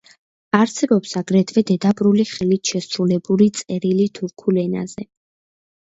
არსებობს აგრეთვე დედაბრული ხელით შესრულებული წერილი თურქულ ენაზე.